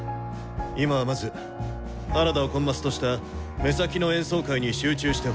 今はまず原田をコンマスとした目先の演奏会に集中してほしい。